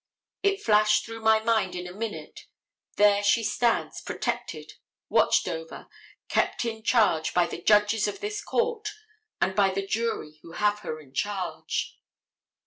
It flashed through my mind in a minute; there she stands protected, watched over, kept in charge by the judges of this court and by the jury who have her in charge.